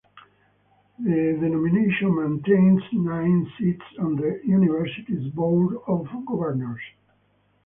The denomination maintains nine seats on the University's Board of Governors.